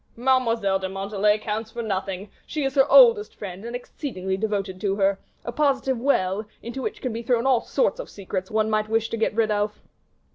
"Mademoiselle de Montalais counts for nothing; she is her oldest friend, and exceedingly devoted to her a positive well, into which can be thrown all sorts of secrets one might wish to get rid of."